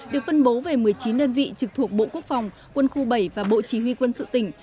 được phân bố về một mươi chín đơn vị trực thuộc bộ quốc phòng quân khu bảy và bộ chỉ huy quân sự tỉnh